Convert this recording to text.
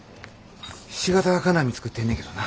ひし形金網作ってんねんけどな。